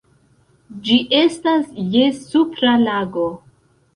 Ĝi estas je Supra Lago.